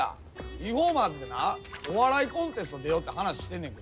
リフォーマーズでなお笑いコンテスト出ようって話してんねんけど。